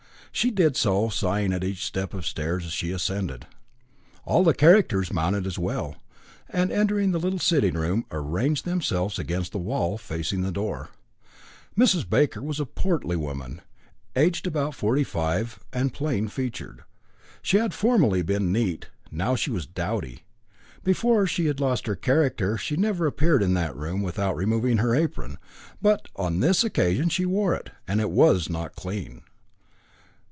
She did so, sighing at each step of the stairs as she ascended. All the characters mounted as well, and entering the little sitting room, ranged themselves against the wall facing the door. Mrs. Baker was a portly woman, aged about forty five, and plain featured. She had formerly been neat, now she was dowdy. Before she had lost her character she never appeared in that room without removing her apron, but on this occasion she wore it, and it was not clean.